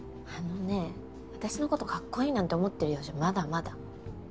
あのね私のことカッコイイなんて思ってるようじゃまだまだ。